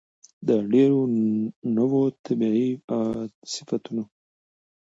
د ډېرو نوو طبيعتي صفتونو